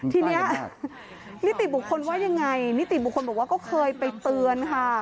ทีนี้นิติบุคคลว่ายังไงนิติบุคคลบอกว่าก็เคยไปเตือนค่ะ